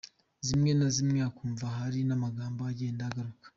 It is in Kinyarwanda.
Zimwe na zimwe ukumva hari n’amagambo agenda agaruka.